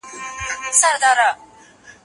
آیا د مهارتونو ترلاسه کول په راتلونکي کي ګټه رسوي؟